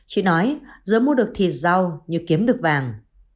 chị nói giữa mua được thịt rau như kiếm được vàng